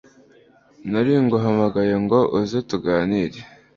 naringuhamagaye ngo uze tuganire